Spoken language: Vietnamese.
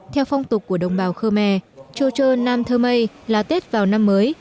theo phong tục của đồng bào khơ me trô trơ nam thơ mây là tết vào năm mới